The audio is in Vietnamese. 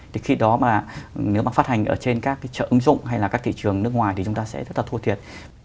thì khi đó mà nếu mà phát hành ở trên các cái trợ ứng dụng hay là các thị trường nước ngoài thì chúng ta sẽ rất là thua thiệt